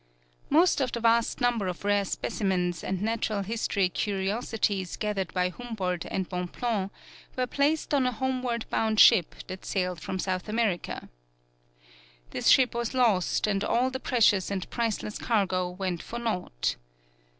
Most of the vast number of rare specimens and natural history curiosities gathered by Humboldt and Bonpland were placed on a homeward bound ship that sailed from South America. This ship was lost and all the precious and priceless cargo went for naught.